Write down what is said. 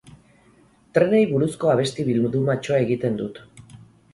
Trenei buruzko abesti bildumatxoa egiten dut.